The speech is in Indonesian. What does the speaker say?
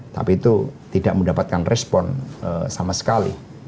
tapi itu tidak mendapatkan respon sama sekali